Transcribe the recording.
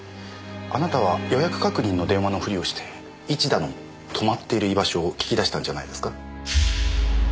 あなたは予約確認の電話のふりをして市田の泊まっている居場所を聞き出したんじゃないですか？